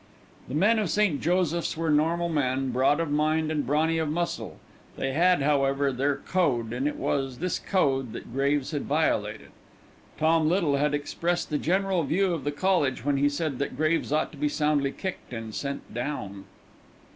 The men of St. Joseph's were normal men, broad of mind and brawny of muscle; they had, however, their code, and it was this code that Graves had violated. Tom Little had expressed the general view of the college when he said that Graves ought to be soundly kicked and sent down.